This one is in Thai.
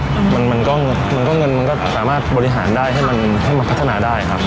มันมันก็เงินมันก็เงินมันก็สามารถบริหารได้ให้มันให้มันพัฒนาได้ครับ